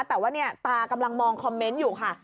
แต่ว่าเนี่ยตากำลังมองคอมเมนต์อยู่ค่ะ